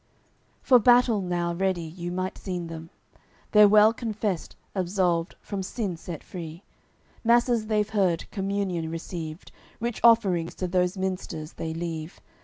AOI. CCLXXX For battle, now, ready you might them see, They're well confessed, absolved, from sin set free; Masses they've heard, Communion received, Rich offerings to those minsters they leave.